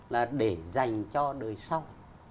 là để dành cho đời sau